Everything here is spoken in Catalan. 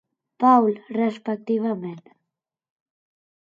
Paul respectivament.